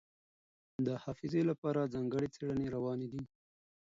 د حافظې لپاره ځانګړې څېړنې روانې دي.